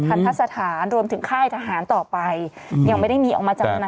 ทะสถานรวมถึงค่ายทหารต่อไปยังไม่ได้มีออกมาจาก